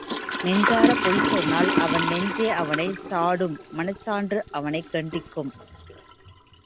நெஞ்சாரப் பொய் சொன்னால் அவன் நெஞ்சே அவனைச் சாடும் மனச்சான்று அவனைக் கண்டிக்கும்.